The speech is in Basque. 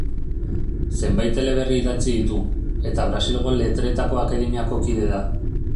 Zenbait eleberri idatzi ditu, eta Brasilgo Letretako Akademiako kide da.